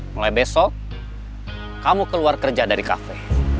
mulai besok kamu keluar kerja dari kafe